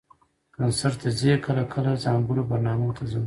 کنسرټ ته ځئ؟ کله کله، ځانګړو برنامو ته ځم